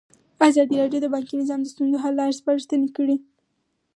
ازادي راډیو د بانکي نظام د ستونزو حل لارې سپارښتنې کړي.